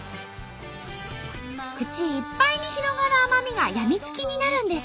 口いっぱいに広がる甘みが病みつきになるんです。